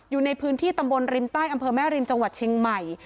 อยู่ในพื้นที่ตำบลริมใต้อำเภอแม่ริมจังหวัดเชียงใหม่